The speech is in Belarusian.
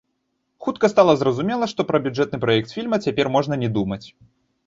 Хутка стала зразумела, што пра бюджэтны праект фільма цяпер можна не думаць.